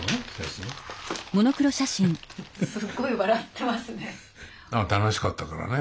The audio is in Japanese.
すごい笑ってますね。